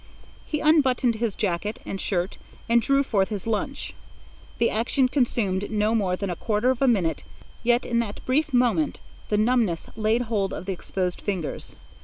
He unbuttoned his jacket and shirt and drew forth his lunch. The action consumed no more than a quarter of a minute, yet in that brief moment the numbness laid hold of the exposed fingers.